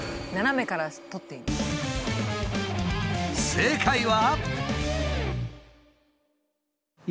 正解は。